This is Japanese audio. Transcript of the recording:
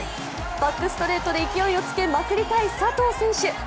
バックストレートで勢いをつけまくりたい佐藤選手。